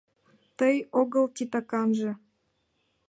— Тый огыл титаканже.